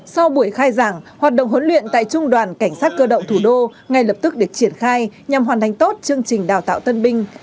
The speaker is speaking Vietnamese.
sau buổi khai giảng hoạt động huấn luyện tại trung đoàn cảnh sát cơ động thủ đô ngay lập tức được triển khai nhằm hoàn thành tốt chương trình đào tạo tân binh